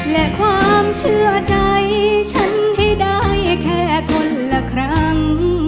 และความเชื่อใจฉันให้ได้แค่คนละครั้ง